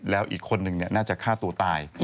แล้วอีกคนนึงน่าจะฆ่าตัวตาย